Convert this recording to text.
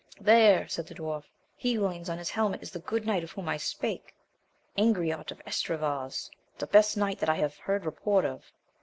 There, said the dwarf, he who leans on his helmet is the good knight of whom I spake, Angriote of Estravaus, the best knight that I have heard report of.